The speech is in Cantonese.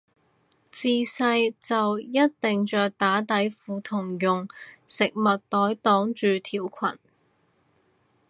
自細就一定着打底褲同用食物袋擋住條裙